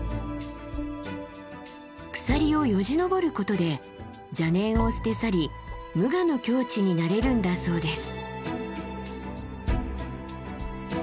鎖をよじ登ることで邪念を捨て去り無我の境地になれるんだそうです。